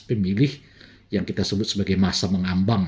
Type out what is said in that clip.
pemilih yang kita sebut sebagai masa mengambang